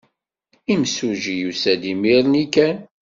Imsujji yusa-d imir-nni kan.